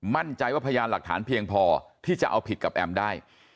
มั่นใจว่าพยานหลักฐานเพียงพอที่จะเอาผิดกับแอมได้